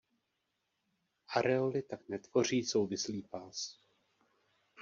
Areoly tak netvoří souvislý pás.